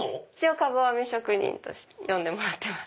籠編み職人と呼んでもらってます。